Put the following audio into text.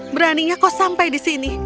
beraninya kau sampai disini